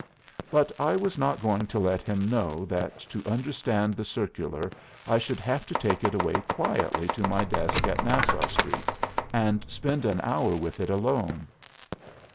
But I was not going to let him know that to understand the circular I should have to take it away quietly to my desk in Nassau Street, and spend an hour with it alone."